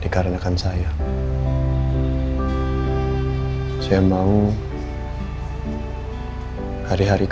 dia semua hanya dari percintaan dilakukan dengan stewardship